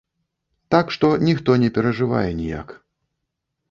Так што ніхто не перажывае ніяк.